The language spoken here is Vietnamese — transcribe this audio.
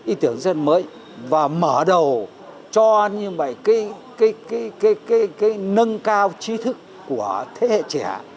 ý tưởng rất là mới và mở đầu cho như vậy cái nâng cao trí thức của thế hệ trẻ